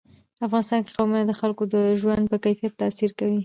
افغانستان کې قومونه د خلکو د ژوند په کیفیت تاثیر کوي.